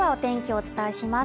お伝えします